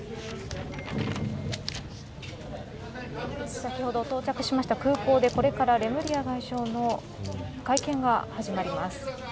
先ほど到着しました空港でこれからレムリヤ法相の会見が始まります。